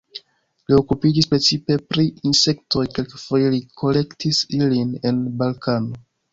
Li okupiĝis precipe pri insektoj, kelkfoje li kolektis ilin en Balkano.